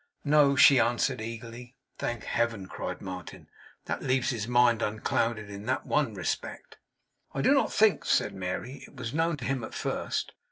'No,' she answered eagerly. 'Thank Heaven!' cried Martin, 'that it leaves his mind unclouded in that one respect!' 'I do not think,' said Mary, 'it was known to him at first.